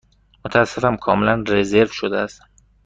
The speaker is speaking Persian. متأسفم، کاملا رزرو شده است.